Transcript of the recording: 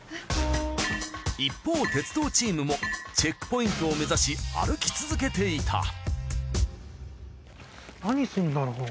一方鉄道チームもチェックポイントを目指し歩き続けていた。